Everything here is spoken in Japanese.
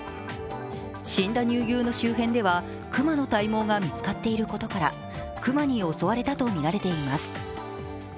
死んだ乳牛の周辺では熊の体毛が見つかっていることから、熊に襲われたとみられています。